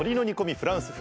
フランス風。